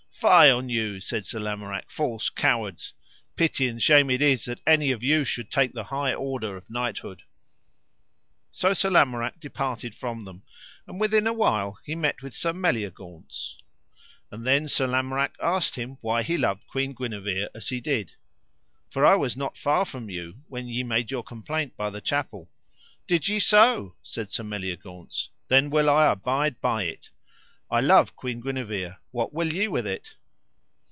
Fie on you, said Sir Lamorak, false cowards, pity and shame it is that any of you should take the high order of knighthood. So Sir Lamorak departed from them, and within a while he met with Sir Meliagaunce. And then Sir Lamorak asked him why he loved Queen Guenever as he did: For I was not far from you when ye made your complaint by the chapel. Did ye so? said Sir Meliagaunce, then will I abide by it: I love Queen Guenever, what will ye with it?